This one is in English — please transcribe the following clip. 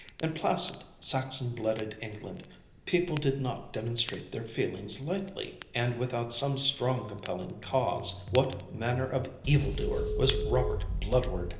In placid Saxon blooded England people did not demonstrate their feelings lightly and without some strong compelling cause. What manner of evildoer was Robert Bludward?